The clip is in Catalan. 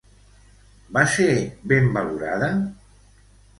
Va ser ben valorada?